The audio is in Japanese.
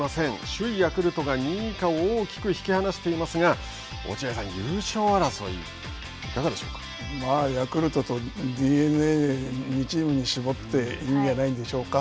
首位ヤクルトが２位以下を大きく引き離していますが、落合さん、優勝争いヤクルトとＤｅＮＡ、２チームに絞っていいんじゃないでしょうか。